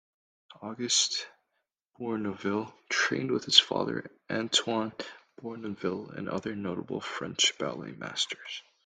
August Bournonville trained with his father Antoine Bournonville and other notable French ballet masters.